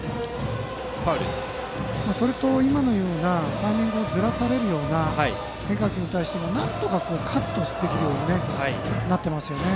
それと、今のようなタイミングをずらされるような変化球に対してもなんとかカットできるようになってます。